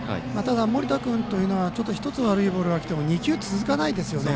盛田君というのは悪いボールが２球続かないですよね。